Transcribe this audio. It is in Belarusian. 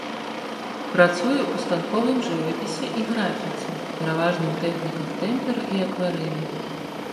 Працуе ў станковым жывапісе і графіцы, пераважна ў тэхніках тэмперы і акварэлі.